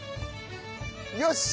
よし！